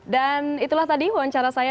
dan itulah tadi wawancara saya